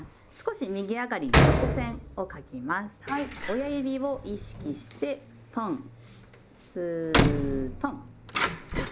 親指を意識してトンスートンです。